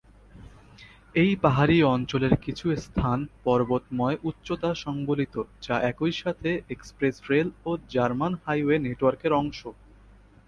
এই পাহাড়ি অঞ্চলের কিছু স্থান পর্বতময় উচ্চতা সংবলিত যা একই সাথে এক্সপ্রেস রেল ও জার্মান হাইওয়ে নেটওয়ার্কের অংশ।